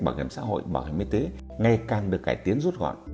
bảo hiểm xã hội bảo hiểm y tế ngày càng được cải tiến rút gọn